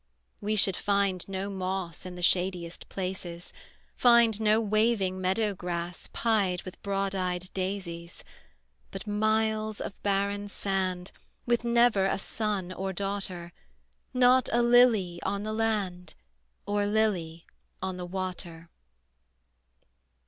We should find no moss In the shadiest places, Find no waving meadow grass Pied with broad eyed daisies; But miles of barren sand, With never a son or daughter, Not a lily on the land, Or lily on the water.